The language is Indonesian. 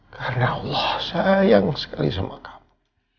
karena allah sayang sekali sama kamu